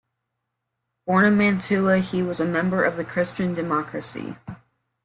Born in Mantua, he was a member of the Christian Democracy.